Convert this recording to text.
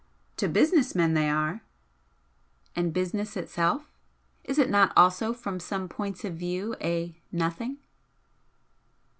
"To business men they are " "And business itself? Is it not also from some points of view a 'nothing'?"